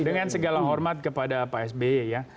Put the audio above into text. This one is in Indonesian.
dengan segala hormat kepada pak sby ya